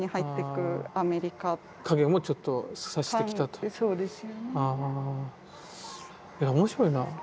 いや面白いな。